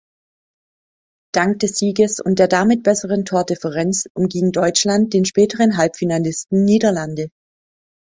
Dank des Sieges und der damit besseren Tordifferenz umging Deutschland den späteren Halbfinalisten Niederlande.